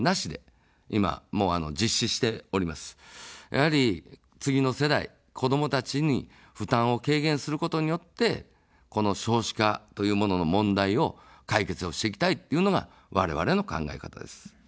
やはり、次の世代、子どもたちに負担を軽減することによって、この少子化というものの問題を解決をしていきたいというのがわれわれの考え方です。